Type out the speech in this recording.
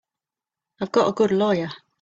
I've got a good lawyer.